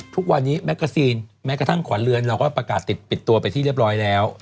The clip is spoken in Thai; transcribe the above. ทุกวันนี้แมกกาซีนแม้กระทั่งขวัญเรือนเราก็ประกาศติดปิดตัวไปที่เรียบร้อยแล้ว